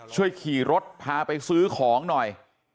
ช่วยขี่รถพาไปซื้อของหน่อย